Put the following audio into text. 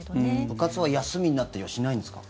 部活は休みになったりはしないんですか？